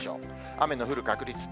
雨の降る確率。